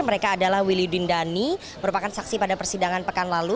mereka adalah williudin dhani merupakan saksi pada persidangan pekan lalu